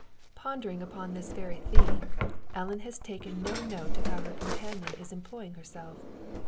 Pondering upon this very theme, Ellen has taken no note of how her companion is employing herself.